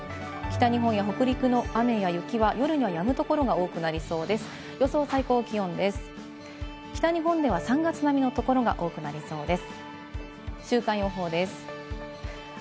北日本や北陸の雨や雪は夜にはやむ所が多くなりそうです。